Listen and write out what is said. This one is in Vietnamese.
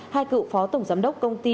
hai cựu phó tổng giám đốc công ty